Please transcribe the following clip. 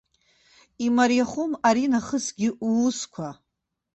Имариахом аринахысгьы уусқәа.